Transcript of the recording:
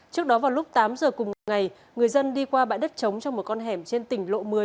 trước đó vào lúc tám giờ cùng ngày người dân đi qua bãi đất trống trong một con hẻm trên tỉnh lộ một mươi